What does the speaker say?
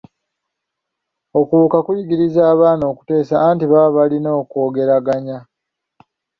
Okubuuka kuyigiriza abaana okuteesa anti baba balina okwogeraganya.